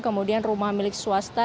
kemudian rumah milik swasta